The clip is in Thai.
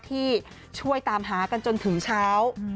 ที่ช่วยตามหากันจนถึงเช้า